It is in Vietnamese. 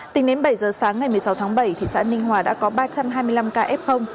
tính đến bảy giờ sáng ngày một mươi sáu tháng bảy thị xã ninh hòa đã có ba trăm hai mươi năm ca f